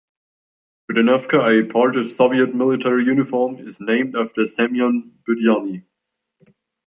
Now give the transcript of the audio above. Budenovka, a part of Soviet military uniform, is named after Semyon Budyonny.